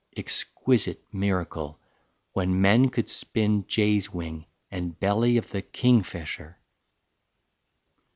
Exquisite miracle, when men could spin Jay's wing and belly of the kingfisher!